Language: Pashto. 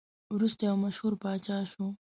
وروسته یو مشهور پاچا شو.